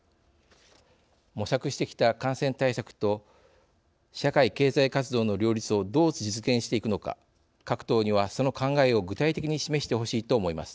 模索してきた感染対策と社会経済活動の両立をどう実現していくのか各党にはその考えを具体的に示してほしいと思います。